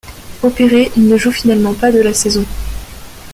Opéré, il ne joue finalement pas de la saison.